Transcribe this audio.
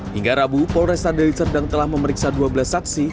hingga rabu polres tandeli cerdang telah memeriksa dua belas saksi